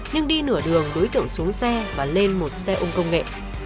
nhưng đi nửa đường đối tượng xuống xe và lên một xe ôm công nghệ